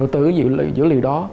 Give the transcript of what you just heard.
từ dữ liệu đó